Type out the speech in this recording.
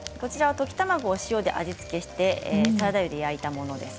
溶き卵を塩で味付けしてサラダ油で焼いたものです。